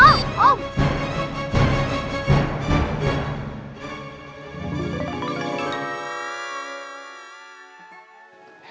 what's up yuk